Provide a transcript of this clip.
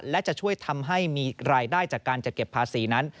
และจะช่วยทำให้มีรายได้จากการจะเก็บภาษีนั้น